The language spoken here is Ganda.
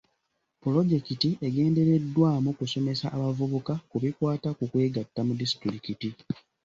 Pulojekiti egendereddwamu kusomesa abavubuka ku bikwata ku kwegatta mu disitulikiti.